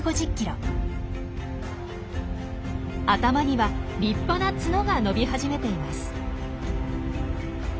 頭には立派な角が伸び始めています。